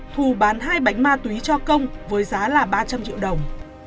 thù bán hai bánh ma túy cho công với giá là ba trăm linh triệu đồng